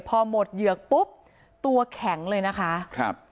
พอหมดเหยือกปุ๊บตัวแข็งเลยนะคะครับ